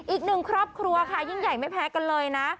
อีกหนึ่งครอบครัวค่ะยิ่งใหญ่ไม่แพ้กันเลยนะ